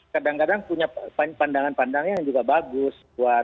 kadang kadang punya pandangan pandangan yang juga bagus